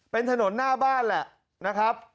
เป็นถนนหน้าบ้านแหละนะครับ